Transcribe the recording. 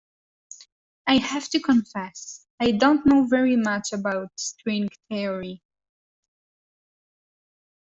I have to confess I don't know very much about string theory.